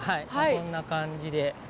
こんな感じで。